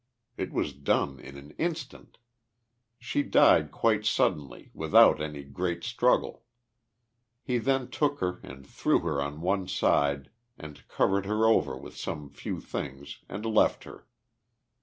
It was done in an instant ! She died quite suddenly, without any great struggle. He then took her and drew her on one side and covered her over with some few things, and left her.